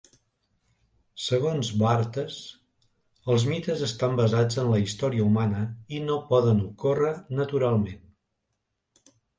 Segons Barthes, els mites estan basats en la història humana i no poden ocórrer naturalment.